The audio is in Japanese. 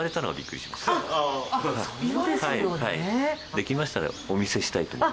できましたらお見せしたいと。